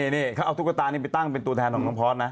นี่เขาเอาตุ๊กตานี้ไปตั้งเป็นตัวแทนของน้องพอร์ตนะ